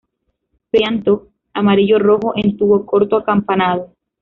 Perianto amarillo-rojo, en tubo corto, acampanado.